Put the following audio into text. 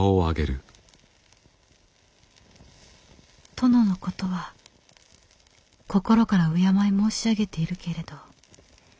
「殿のことは心から敬い申し上げているけれど」。